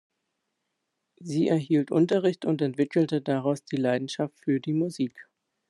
Sie erhielt Unterricht und entwickelte daraus die Leidenschaft für die Musik.